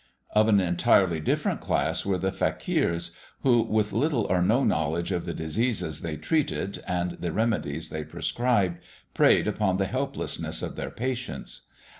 Of an entirely different class were the "fakirs", who, with little or no knowledge of the diseases they treated and the remedies they prescribed, preyed upon the helplessness of their patients.